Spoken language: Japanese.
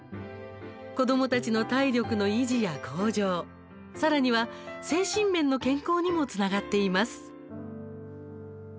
子どもたちの体力の維持や向上さらには精神面の健康にもつながっています。